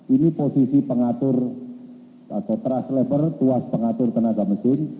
ini posisi pengatur atau trustlever tuas pengatur tenaga mesin